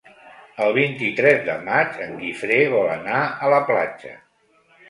El vint-i-tres de maig en Guifré vol anar a la platja.